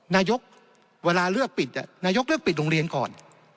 นายกเวลาเลือกปิดนายกเลือกปิดโรงเรียนก่อน